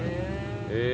へえ。